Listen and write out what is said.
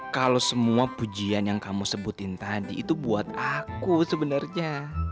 kalau semua pujian yang kamu sebutin tadi itu buat aku sebenarnya